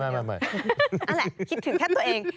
นั่นแหละคิดถึงแค่ตัวเอง